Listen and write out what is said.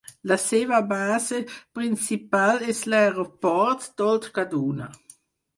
La seva base principal és l'aeroport d'Old Kaduna.